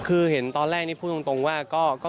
คือเห็นตอนแรกนี่พูดตรงว่า